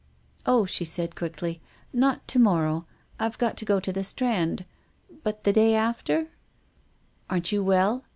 Oh," she added quickly, " not to morrow. I've got to go to the Strand. But the day after "" Aren't you well